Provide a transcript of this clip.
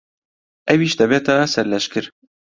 ئەویش دەبێتە سەرلەشکر.